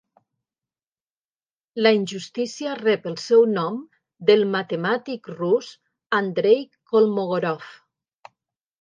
La injustícia rep el seu nom del matemàtic rus Andrey Kolmogorov.